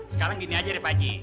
sekarang gini aja dari pagi